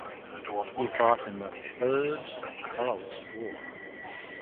He fought in the Third Carlist War.